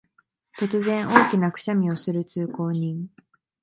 突然、大きなくしゃみをする通行人